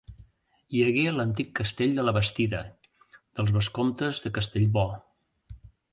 Hi hagué l'antic castell de la Bastida, dels vescomtes de Castellbò.